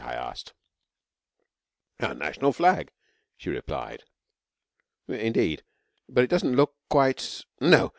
I asked. 'Our National Flag,' she replied. 'Indeed. But it doesn't look quite ' 'No.